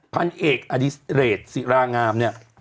พันเอกอดิษเรศศิรางามเนี่ย